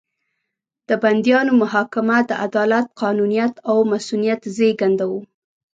د بندیانو محاکمه د عدالت، قانونیت او مصونیت زېږنده وو.